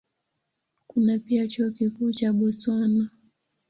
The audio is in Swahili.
Kuna pia Chuo Kikuu cha Botswana.